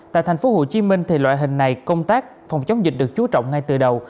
tại tp hcm loại hình này công tác phòng chống dịch được chú trọng ngay từ đầu